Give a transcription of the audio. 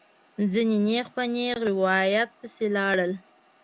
ځینې نېغ په نېغه روایت پسې لاړل.